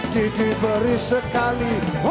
didi beri sekali